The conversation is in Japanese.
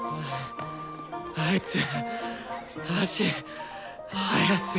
あいつ足速すぎだろ。